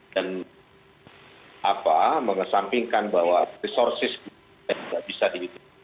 dan apa mengesampingkan bahwa resorsi kita tidak bisa dihitung